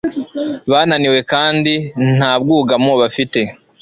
Bananiwe kandi nta bwugamo bafite,